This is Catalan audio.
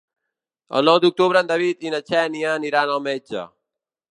El nou d'octubre en David i na Xènia aniran al metge.